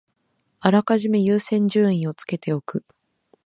あらかじめ優先順位をつけておく